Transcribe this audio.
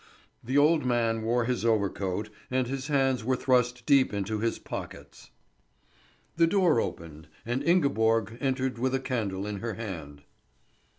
The old man wore his overcoat, and his hands were thrust deep into his pockets. The door opened, and Ingeborg entered with a candle in her hand.